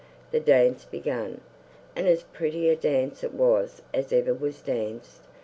The dance began; and as pretty a dance it was as ever was danced.